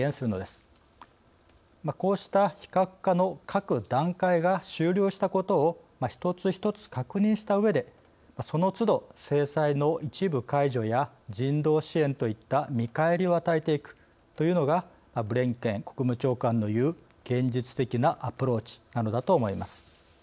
こうした非核化の各段階が終了したことを一つ一つ確認したうえでそのつど制裁の一部解除や人道支援といった見返りを与えていくというのがブリンケン国務長官の言う現実的なアプローチなのだと思います。